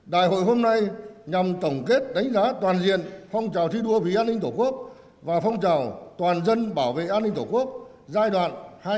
đại hội hôm nay nhằm tổng kết đánh giá toàn diện phong trào thi đua vì an ninh tổ quốc và phong trào toàn dân bảo vệ an ninh tổ quốc giai đoạn hai nghìn một mươi tám hai nghìn hai mươi ba